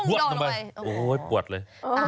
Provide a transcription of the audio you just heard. โดดลงไปโอ้โห้ปลวดเลย